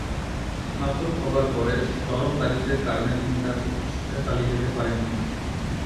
স্নাতক হবার পরে, চরম দারিদ্র্যের কারণে তিনি তার উচ্চশিক্ষা চালিয়ে যেতে পারেননি।